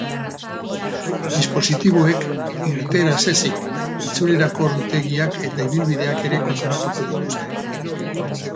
Dispositiboek irteera ez ezik itzulerako ordutegiak eta ibilbideak ere kontrolatuko dituzte.